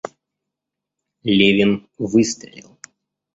Левин выстрелил.